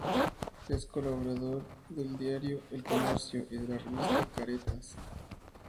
Es colaborador habitual del diario "El Comercio" y de la revista "Caretas.